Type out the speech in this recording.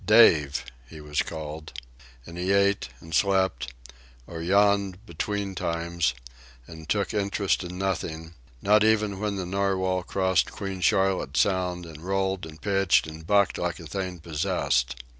"Dave" he was called, and he ate and slept, or yawned between times, and took interest in nothing, not even when the Narwhal crossed Queen Charlotte Sound and rolled and pitched and bucked like a thing possessed.